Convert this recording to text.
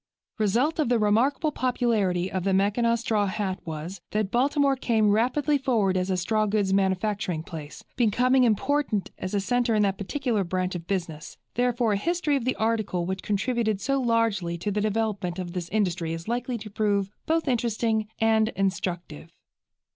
No. 15. A result of the remarkable popularity of the Mackinaw straw hat was, that Baltimore came rapidly forward as a straw goods manufacturing place, becoming important as a center in that particular branch of business; therefore a history of the article which contributed so largely to the development of this industry is likely to prove both interesting and instructive.